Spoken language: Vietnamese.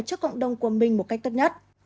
cho cộng đồng của mình một cách tốt nhất